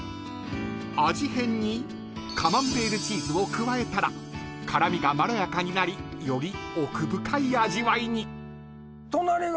［味変にカマンベールチーズを加えたら辛味がまろやかになりより奥深い味わいに］